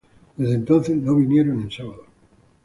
Desde entonces no vinieron en sábado.